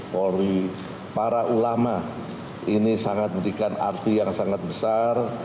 polri para ulama ini sangat memberikan arti yang sangat besar